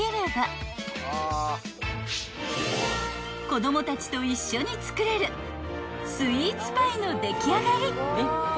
［子供たちと一緒に作れるスイーツパイの出来上がり］